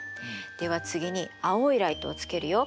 では次に青いライトをつけるよ。